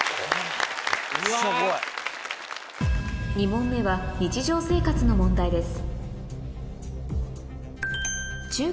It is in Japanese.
２問目は日常生活の問題です